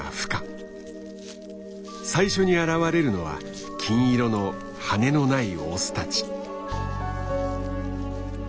最初に現れるのは金色の羽のないオスたち。